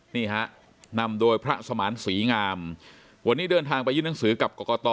นี่ฮะนำโดยพระสมานศรีงามวันนี้เดินทางไปยื่นหนังสือกับกรกต